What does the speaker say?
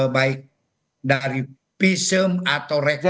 baik dari pism atau rekodasi